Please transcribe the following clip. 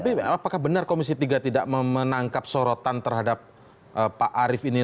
tapi apakah benar komisi tiga tidak menangkap sorotan terhadap pak arief ini